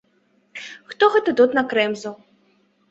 Хто гэта тут накрэмзаў?